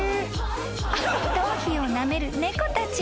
［頭皮をなめる猫たち］